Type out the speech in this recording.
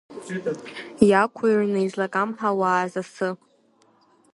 Иақәҩрны излакамҳауааз асы?